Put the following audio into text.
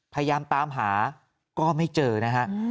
พยายามตามหาก็ไม่เจอนะฮะ